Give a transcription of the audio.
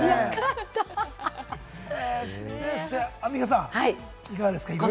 アンミカさん、いかがですか？